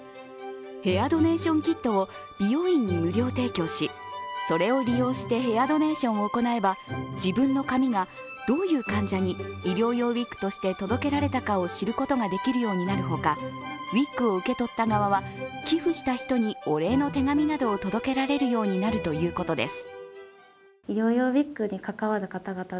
ヘアドネーションキットを美容院に無料提供しそれを利用してヘアドネーションを行えば自分の髪がどういう患者に医療用ウイッグとして届けられたかを知れるようになるほか、ウイッグを受け取った側は寄付した人にお礼の手紙などを届けられるようになるということです。